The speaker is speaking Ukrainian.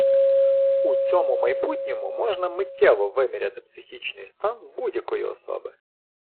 У цьому майбутньому можна миттєво виміряти психічний стан будь-якої особи.